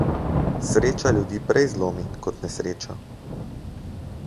Sreča ljudi prej zlomi kot nesreča.